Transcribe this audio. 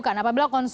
kedalam permettuk kita